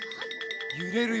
ゆれるよ。